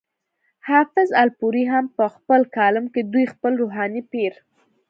حافظ الپورۍ هم پۀ خپل کالم کې دوي خپل روحاني پير